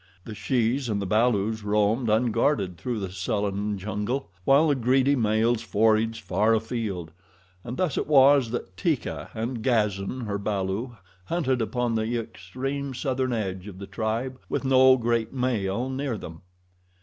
The shes and the balus roamed unguarded through the sullen jungle, while the greedy males foraged far afield, and thus it was that Teeka and Gazan, her balu, hunted upon the extreme southern edge of the tribe with no great male near them.